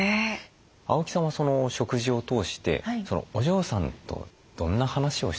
青木さんは食事を通してお嬢さんとどんな話をしたりされますか？